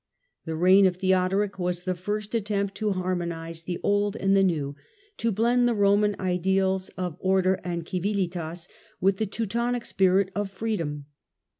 The reign of Theodoric was the first attempt to harmonise the old and the new, to blend the Eoman ideals of order and civilitas with the Teutonic spirit of' freedom.